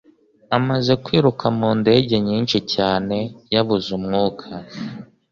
Amaze kwiruka mu ndege nyinshi cyane, yabuze umwuka.